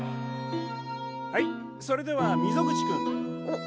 はいそれでは溝口君。